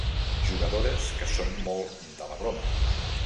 Jugadores que són molt de la broma.